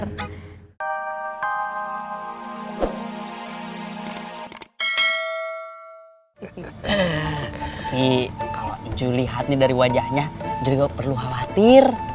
tapi kalau cuy lihat nih dari wajahnya juga perlu khawatir